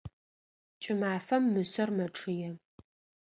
Кӏымафэм мышъэр мэчъые.